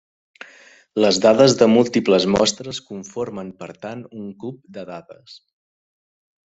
Les dades de múltiples mostres conformen per tant un cub de dades.